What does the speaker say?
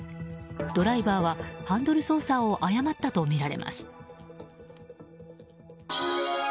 ドライバーはハンドル操作を誤ったとみられます。